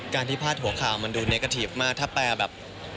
ที่พาดหัวข่าวมันดูเนกะทีฟมากถ้าแปลแบบ